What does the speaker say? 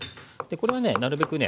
これはねなるべくね